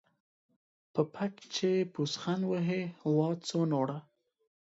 په پک چې پوسخند وهې ، وا څوڼوره.